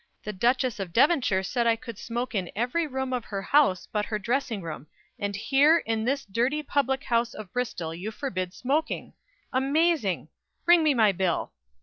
The Duchess of Devonshire said I could smoke in every room in her house but her dressing room, and here, in this dirty public house of Bristol you forbid smoking! Amazing! Bring me my bill."